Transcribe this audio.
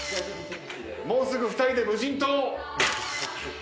もうすぐ２人で無人島。